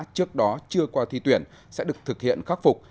trước đó chưa qua thi tuyển sẽ được thực hiện khắc phục